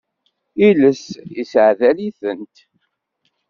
Iles isseɛdal-itent.